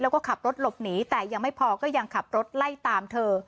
แล้วก็ขับรถหลบหนีแต่ยังไม่พอก็ยังขับรถไล่ตามเธอ